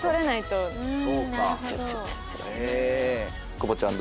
久保ちゃん